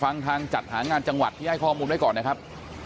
ฟังทางจัดหางานจังหวัดที่ให้ข้อมูลไว้ก่อนนะครับ